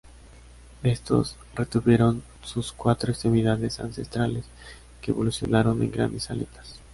Estos retuvieron sus cuatro extremidades ancestrales, que evolucionaron en grandes aletas.